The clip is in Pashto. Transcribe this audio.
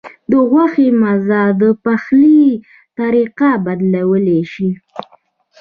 د غوښې مزه د پخلي طریقه بدلولی شي.